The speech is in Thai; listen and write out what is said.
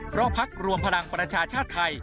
เพราะพักรวมพลังประชาชาติไทย